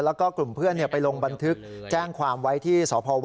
แล้วมีเพื่อนคนอื่นในกลุ่ม๔คนมีใครโดนหนักที่สุด